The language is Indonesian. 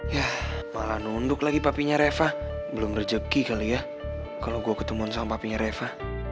ya malah nunduk lagi papinya reva belum rejeki kali ya kalau gue ketemu sama papinya reva